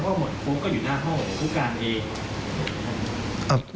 เพราะหมดโค้กก็อยู่หน้าห้องผู้การเอง